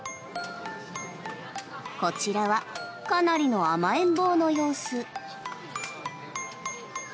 こちらはかなりの甘えん坊の様子。